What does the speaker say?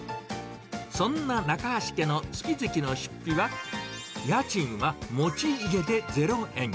そんな中橋家の月々の出費は、家賃は持ち家で０円。